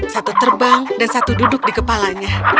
satu terbang dan satu duduk di kepalanya